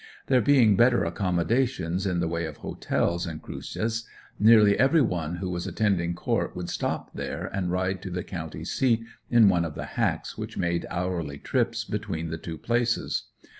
There being better accommodations, in the way of Hotels, in "Cruces," nearly every one who was attending court would stop there and ride to the county seat in one of the "hacks" which made hourly trips between the two places.